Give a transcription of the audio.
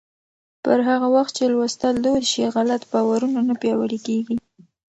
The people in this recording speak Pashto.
پر هغه وخت چې لوستل دود شي، غلط باورونه نه پیاوړي کېږي.